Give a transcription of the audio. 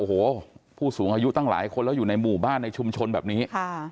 โอ้โหผู้สูงอายุตั้งหลายคนแล้วอยู่ในหมู่บ้านในชุมชนแบบนี้